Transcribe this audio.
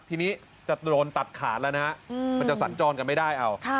ทีนี้จะโดนตัดขาดแล้วนะมันจะสั่นจอดกันไม่ได้